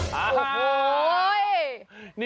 เหย่ละ